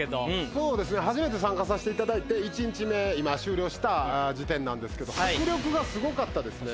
そうですね初めて参加させていただいて１日目今終了した時点なんですけど迫力がすごかったですね。